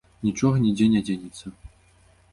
Нічога, нідзе не дзенецца.